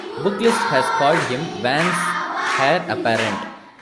Booklist has called him Vance's heir apparent.